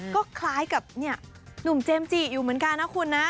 ก็คล้ายกับหนุ่มเจมส์จิอยู่เหมือนกันนะคุณนะ